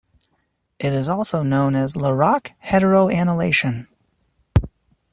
It is also known as Larock heteroannulation.